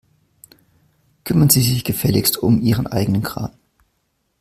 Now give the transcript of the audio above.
Kümmern Sie sich gefälligst um Ihren eigenen Kram.